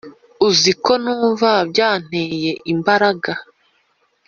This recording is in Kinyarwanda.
uziko numva byanteye imbaraga